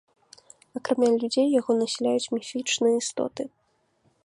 Акрамя людзей яго насяляюць міфічныя істоты.